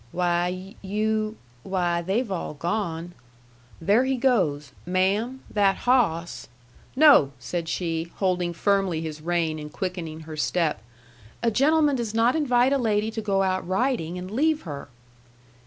"Why, you why, they've all gone. There he goes. Ma'am that hawss " "No," said she, holding firmly his rein and quickening her step. "A gentleman does not invite a lady to go out riding and leave her."